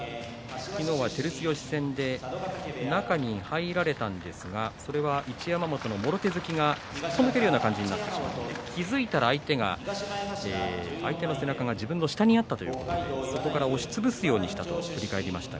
昨日は照強戦で中に入られたんですがそれは一山本のもろ手突きがすっぽ抜けるような形になって気付いたら相手の背中が自分の下にあったということでそこから押しつぶすようにしたと振り返りました。